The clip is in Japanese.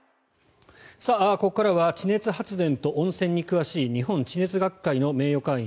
ここからは地熱発電と温泉に詳しい日本地熱学会の名誉会員